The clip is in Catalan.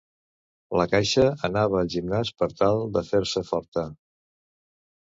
La caixa anava al gimnàs per tal de fer-se forta.